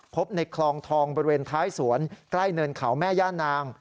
ในคลองทองบริเวณท้ายสวนใกล้เนินเขาแม่ย่านาง